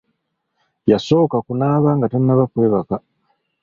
Yasooka kunaaba nga tannaba kwebaka.